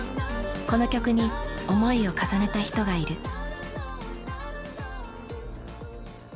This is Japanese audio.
この曲に思いを重ねた人がいる。